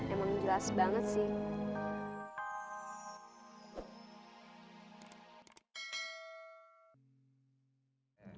emang jelas banget sih